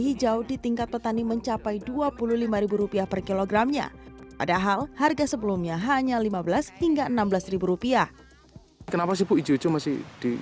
hijau di tingkat petani mencapai dua puluh lima rupiah per kilogramnya padahal harga sebelumnya hanya lima belas rupiah